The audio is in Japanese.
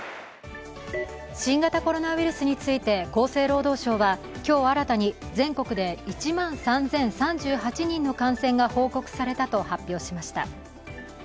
新型コロナウイルスについて、厚生労働省は今日新たに全国で１万３０３８人の感染が報告されたと発表しました。